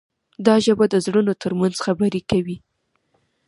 دا ژبه د زړونو ترمنځ خبرې کوي.